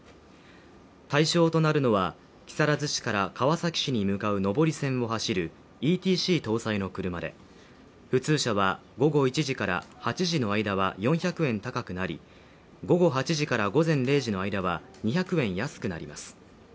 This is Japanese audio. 対象となるのは木更津市から川崎市に向かう上り線を走るＥＴＣ搭載の車で、普通車は午後１時から８時の間は４００円高くなり、午後８時から午前０時の間は２００円安くなります。